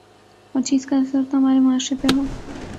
اور چیز کا اثر تو ہمارے معاشرے پہ ہو